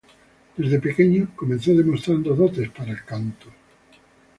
Desde pequeño comenzó demostrando dotes para el canto.